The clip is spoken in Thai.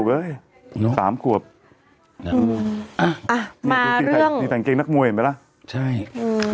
เอ้ยสามขวบอืมอ่ะมาเรื่องนี่ตังเกงนักมวยเห็นไหมล่ะใช่อืม